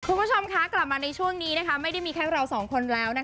คุณผู้ชมคะกลับมาในช่วงนี้ไม่ได้มีแค่เราสองคนแล้ว